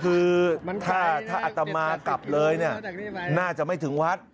คือถ้าอัตมากลับเลยเนี่ยน่าจะไม่ถึงวัด